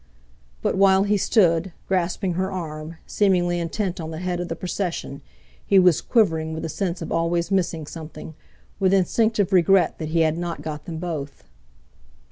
But while he stood, grasping her arm, seemingly intent on the head of the procession, he was quivering with the sense of always missing something, with instinctive regret that he had not got them both.